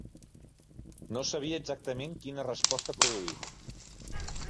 No sabia exactament quina resposta produir.